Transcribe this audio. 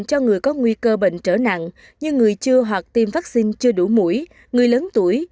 cho người có nguy cơ bệnh trở nặng như người chưa hoặc tiêm vaccine chưa đủ mũi người lớn tuổi